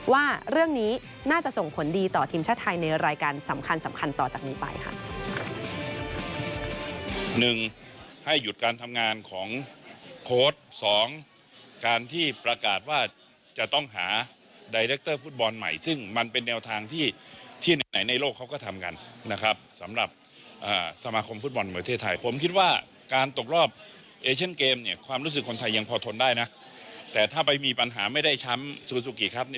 ว่าเรื่องนี้น่าจะส่งผลดีต่อทีมชาติไทยในรายการสำคัญต่อจากนี้ไปค่ะ